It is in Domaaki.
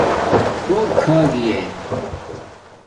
روک کھا گی ݺ